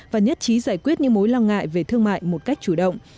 và nhất trí giải quyết những mối lo ngại về thương mại một cách chủ động